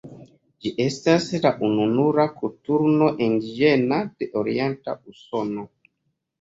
Ĝi estas la ununura koturno indiĝena de orienta Usono.